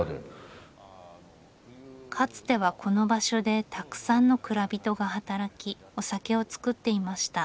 かつてはこの場所でたくさんの蔵人が働きお酒を造っていました。